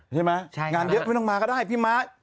ใช่ไหมงานเยอะไม่ต้องมาก็ได้พี่ม้า